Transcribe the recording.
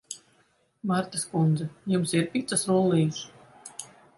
Martas kundze, jums ir picas rullīši?